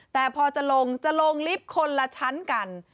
แต่พอจะลงจะลงลิฟต์คนละชั้นกัน